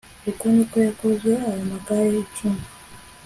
uko ni ko yakoze ayo magare icumi